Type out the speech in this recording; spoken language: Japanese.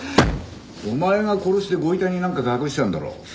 お前が殺してご遺体になんか隠したんだろ？